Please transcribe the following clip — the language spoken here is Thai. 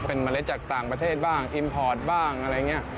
เป็นเมล็ดจากต่างประเทศบ้างอิมพอร์ตบ้างอะไรอย่างนี้